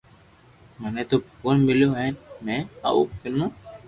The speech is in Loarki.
مني تو ڀگوان مليو ھين ۾ او ڪنو